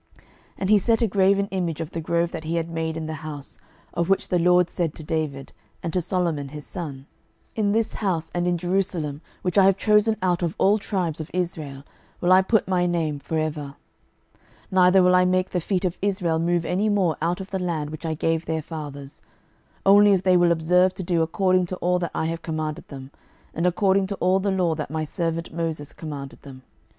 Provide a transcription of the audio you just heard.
12:021:007 And he set a graven image of the grove that he had made in the house, of which the LORD said to David, and to Solomon his son, In this house, and in Jerusalem, which I have chosen out of all tribes of Israel, will I put my name for ever: 12:021:008 Neither will I make the feet of Israel move any more out of the land which I gave their fathers; only if they will observe to do according to all that I have commanded them, and according to all the law that my servant Moses commanded them.